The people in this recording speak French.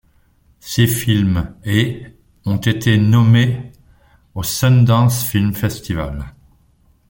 Ses films ' et ' ont été nommés au Sundance Film Festival.